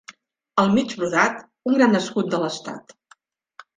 Al mig brodat un gran escut de l'estat.